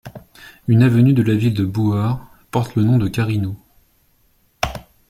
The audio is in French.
Une avenue de la ville de Bouar porte le nom de Karinou.